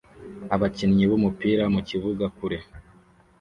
Abakinnyi b'umupira mu kibuga kure